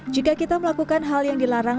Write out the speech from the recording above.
jika kita melakukan hal yang dilarang